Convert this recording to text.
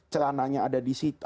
celananya ada di situ